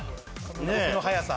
動きの速さ。